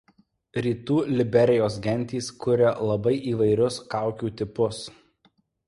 Rytų Liberijos gentys kuria labai įvairius kaukių tipus.